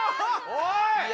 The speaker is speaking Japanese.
おい！